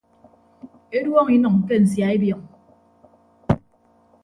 Eduọñọ inʌñ ke nsia ebiọñ.